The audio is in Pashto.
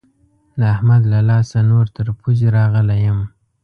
د احمد له لاسه نور تر پوزې راغلی يم.